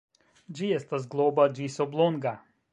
Ĝi estas globa ĝis oblonga.